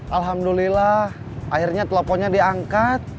alhamdulillah akhirnya teleponnya diangkat